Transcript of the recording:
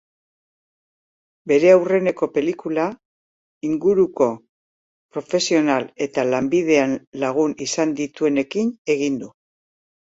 Bere aurrenengo pelikula, inguruko profesional eta lanbidean lagun izan dituenekin egin du.